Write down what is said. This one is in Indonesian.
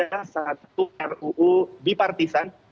ada satu ruu bipartisan